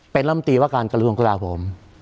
เป็นลำตีว่าการกระลวงกระดาษผม